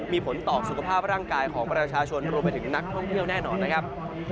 มีผลต่อสุขภาพร่างกายของประชาชนรวมไปถึงนักท่องเที่ยวแน่นอนนะครับ